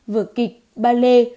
vừa kịch ballet